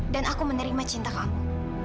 dan aku menerima cinta kamu